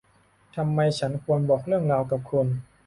ทำไมฉันควรบอกเรื่องราวกับคุณ